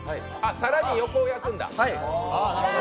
更に横を焼くんだ。